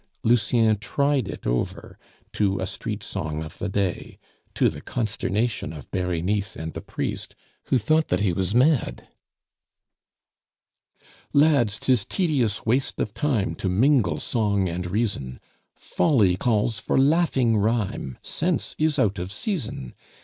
Lucien tried it over to a street song of the day, to the consternation of Berenice and the priest, who thought that he was mad: Lads, 'tis tedious waste of time To mingle song and reason; Folly calls for laughing rhyme, Sense is out of season.